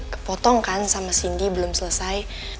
kepotong kan sama cindy belum selesai